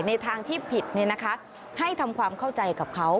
ในทางที่ผิดเนี่ยนะคะให้ทำความเข้าใจกับเขา